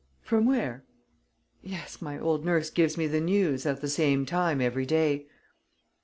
"From there?" "Yes, my old nurse gives me the news at the same time every day."